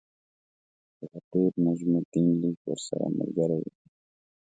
د فقیر نجم الدین لیک ورسره ملګری وو.